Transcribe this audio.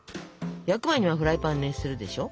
焼く前にはフライパン熱するでしょ？